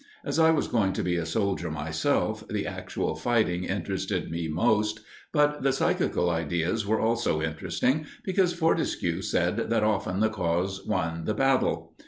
As I was going to be a soldier myself, the actual fighting interested me most, but the psychical ideas were also interesting, because Fortescue said that often the cause won the battle.